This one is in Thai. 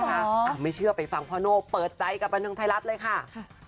ไม่เชื่อไปฟังพ่อโน่เปิดใจกับบันทึงไทยรัฐเลยค่ะ